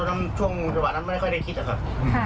คนต้นทั้งช่วงสัปดาห์นั้นไม่ได้ค่อยได้คิดอะครับ